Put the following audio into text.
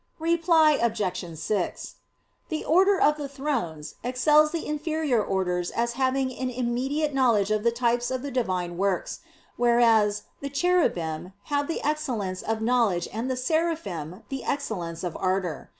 Reply Obj. 6: The order of the "Thrones" excels the inferior orders as having an immediate knowledge of the types of the Divine works; whereas the "Cherubim" have the excellence of knowledge and the "Seraphim" the excellence of ardor.